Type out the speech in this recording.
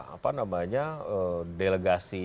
apa namanya delegasi